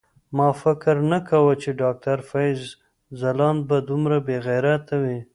ما فکر نه کاوه چی ډاکټر فیض ځلاند به دومره بیغیرته وی